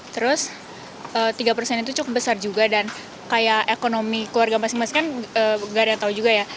terus tiga persen itu cukup besar juga dan kayak ekonomi keluarga masing masing kan gak ada yang tahu juga ya